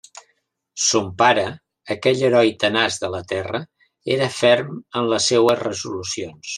Son pare, aquell heroi tenaç de la terra, era ferm en les seues resolucions.